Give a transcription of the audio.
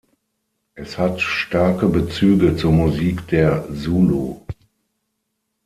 Es hat starke Bezüge zur Musik der Zulu.